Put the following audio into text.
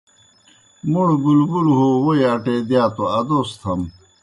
موْڑ بُبُلوْ ہو ووئی اٹے دِیا توْ ادوس تھم۔